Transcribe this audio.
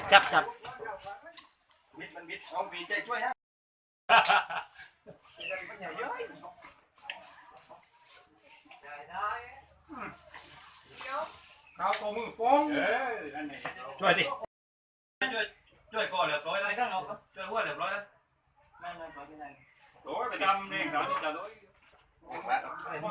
ข้าวตัวมือฟ้อง